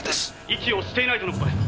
「息をしていないとの事です！」